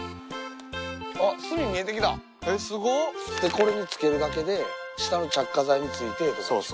これにつけるだけで下の着火剤についてとかでしょうね。